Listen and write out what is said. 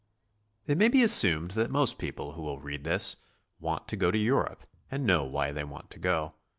It may be assumed that most people who will read this, want to go to Europe and know why they want to go.